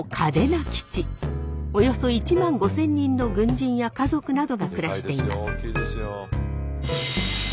およそ１万５，０００人の軍人や家族などが暮らしています。